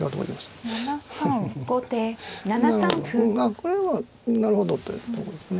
これはなるほどというとこですね。